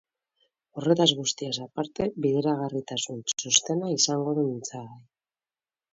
Horretaz guztiaz aparte, bideragarritasun txostena izango du mintzagai.